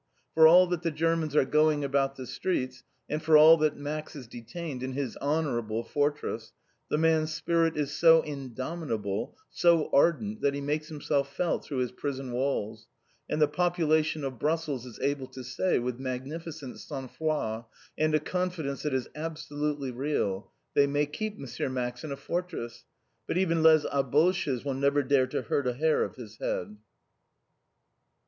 For all that the Germans are going about the streets, and for all that Max is detained in his "honorable" fortress, the man's spirit is so indomitable, so ardent, that he makes himself felt through his prison walls, and the population of Brussels is able to say, with magnificent sangfroid, and a confidence that is absolutely real: "They may keep M. Max in a fortress! But even les alboches will never dare to hurt a hair of his head!"